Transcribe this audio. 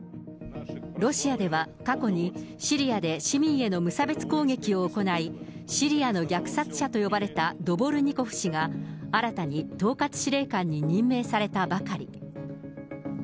ロシアでは過去にシリアで市民への無差別攻撃を行い、シリアの虐殺者と呼ばれたドボルニコフ氏が新たに統括司令官に任命されたばかり。